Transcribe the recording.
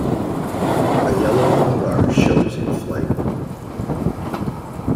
A yellow wingbar shows in flight.